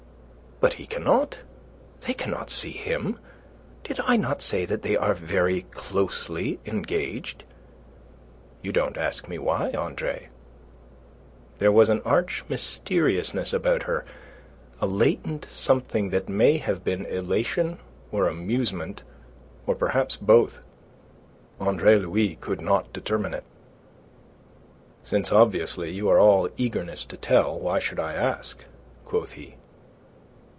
"But he cannot. They cannot see him. Did I not say that they are very closely engaged? You don't ask me why, Andre." There was an arch mysteriousness about her, a latent something that may have been elation or amusement, or perhaps both. Andre Louis could not determine it. "Since obviously you are all eagerness to tell, why should I ask?" quoth he.